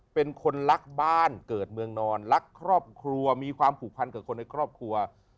เป็นคนรักบ้านเกิดเมืองนอนรักครอบครัวมีความผูกพันกับคนในครอบครัว